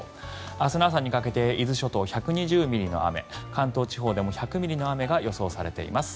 明日の朝にかけて伊豆諸島１２０ミリの雨関東地方でも１００ミリの雨が予想されています。